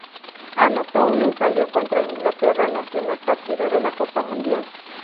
Anotó un ensayo contra Inglaterra en el primer partido de la Copa Mundial.